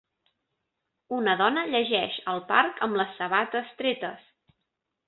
Una dona llegeix al parc amb les sabates tretes.